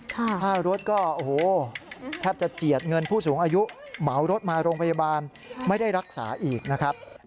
ค่ารถก็โอ้โหแทบจะเจียดเงินผู้สูงอายุเหมารถมาโรงพยาบาลไม่ได้รักษาอีกนะครับ